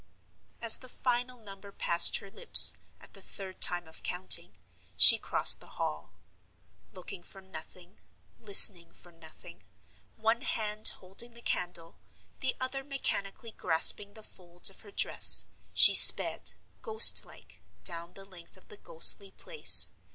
As the final number passed her lips at the third time of counting, she crossed the Hall. Looking for nothing, listening for nothing, one hand holding the candle, the other mechanically grasping the folds of her dress, she sped, ghost like, down the length of the ghostly place.